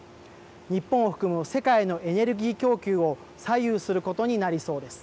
日本を含む世界のエネルギー供給を左右することになりそうです。